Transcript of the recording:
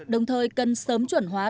đồng thời cần sớm chuẩn hóa